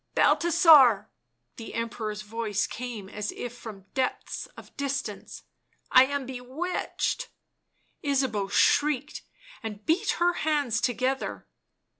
" Balthasar "— the Emperor's voice came as if from depths of distance — "I am bewitched!'' Ysabeau shrieked and beat her hands together.